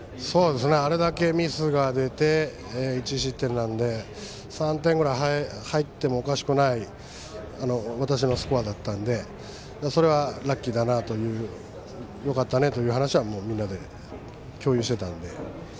あれだけミスが出て１失点なので３点ぐらい入ってもおかしくないスコアだったのでそれは、ラッキーだなというよかったねという話はみんなで共有してたので。